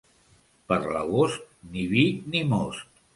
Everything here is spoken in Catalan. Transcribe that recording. Per l'agost, ni vi ni most.